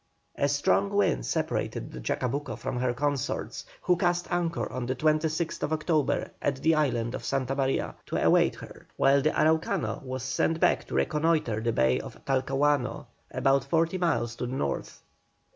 A strong wind separated the Chacabuco from her consorts, who cast anchor on the 26th October at the Island of Santa Maria to await her, while the Araucano was sent back to reconnoitre the bay of Talcahuano, about forty miles to the north.